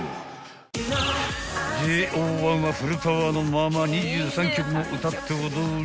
［ＪＯ１はフルパワーのまま２３曲を歌って踊り］